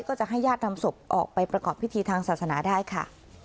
ก็จะให้ญาตินำศพออกไปประกอบพิธีทางศาสนาได้ค่ะ